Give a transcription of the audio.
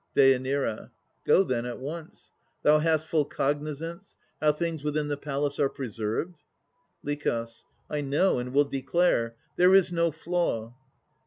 DÊ. Go, then, at once. Thou hast full cognizance How things within the palace are preserved? LICH. I know, and will declare. There is no flaw.